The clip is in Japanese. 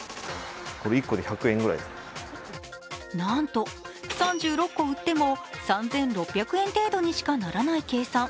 なんと、３６個売っても３６００円程度にしかならない計算。